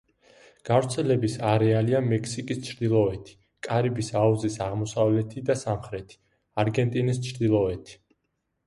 გავრცელების არეალია მექსიკის ჩრდილოეთი, კარიბის აუზის აღმოსავლეთი და სამხრეთი, არგენტინის ჩრდილოეთი.